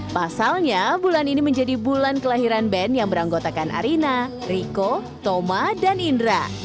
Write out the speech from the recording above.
pasalnya bulan ini menjadi bulan kelahiran band yang beranggotakan arina rico thoma dan indra